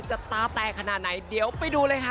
ตาแตกขนาดไหนเดี๋ยวไปดูเลยค่ะ